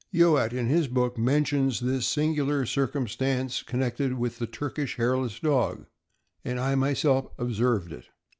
Youatt, in his book, mentions this singular circumstance connected with the Turkish hairless dog, and I myself ob served it.